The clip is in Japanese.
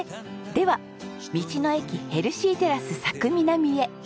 では道の駅ヘルシーテラス佐久南へ。